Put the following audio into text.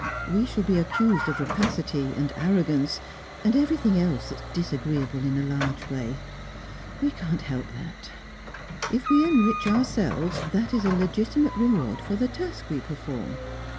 We shall be accused of rapacity, and arrogance, and everything else that's disagreeable in a large way; we can't help that. If we enrich ourselves, that is a legitimate reward for the task we perform.